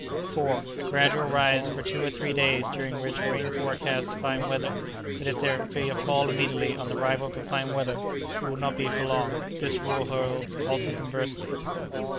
A gradual rise for two or three days during rain forecasts fine weather; but if there be a fall immediately on the arrival of the fine weather, it will not be for long. This rule holds also conversely.